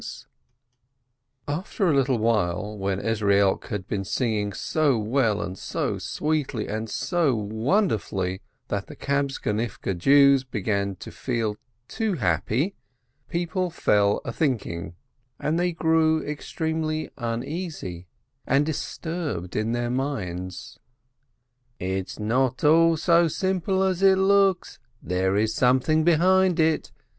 EZEIELK THE SCRIBE 223 After a little while, when Ezrielk had been singing so well and so sweetly and so wonderfully that the Kabtzonivke Jews began to feel too happy, people fell athinking, and they grew extremely uneasy and dis turbed in their minds : "It's not all so simple as it looks, there is some thing behind it.